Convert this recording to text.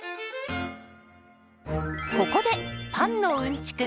ここでパンのうんちく